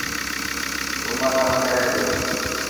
روما ڪم ڪري پئي.